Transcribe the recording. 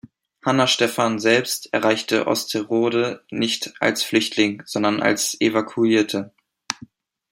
Hanna Stephan selbst erreichte Osterode nicht als Flüchtling, sondern als Evakuierte.